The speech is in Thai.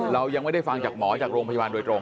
เรายังไม่ได้ฟังจากหมอจากโรงพยาบาลโดยตรง